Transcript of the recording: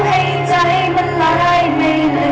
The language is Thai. ขอบคุณทุกเรื่องราว